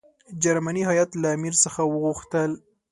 جرمني هیات له امیر څخه وغوښتل.